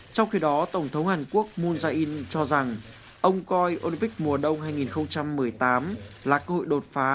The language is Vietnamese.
trong khi đó tổng thống hàn quốc moon jae in cho rằng ông coi olympic mùa đông hai nghìn một mươi tám là cơ hội đột phá